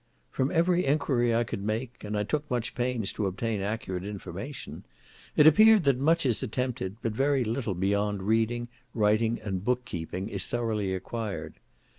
From every enquiry I could make, and I took much pains to obtain accurate information, it appeared that much is attempted, but very little beyond reading, writing, and bookkeeping, is thoroughly acquired.